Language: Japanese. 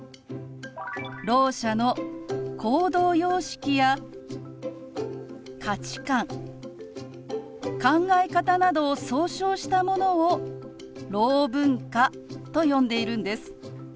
ろう者の行動様式や価値観考え方などを総称したものをろう文化と呼んでいるんです。